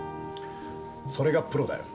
それがプロだよ。